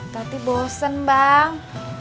tati bosen bang